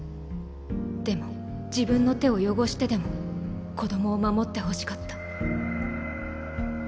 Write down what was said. でも自分の手を汚してでも子供を守ってほしかった。